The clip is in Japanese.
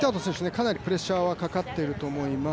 かなりプレッシャーがかかっていると思います。